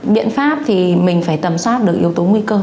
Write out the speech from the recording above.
biện pháp thì mình phải tầm soát được yếu tố nguy cơ